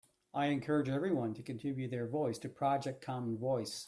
I encourage everyone to contribute their voice to Project Common Voice.